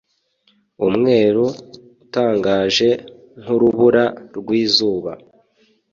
Umweru utangaje nkurubura rwizuba